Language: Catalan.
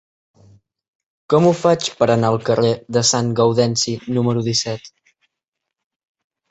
Com ho faig per anar al carrer de Sant Gaudenci número disset?